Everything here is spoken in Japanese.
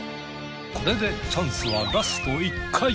これでチャンスはラスト１回。